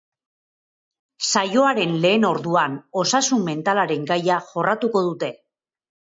Saioaren lehen orduan osasun mentalaren gaia jorratuko dute.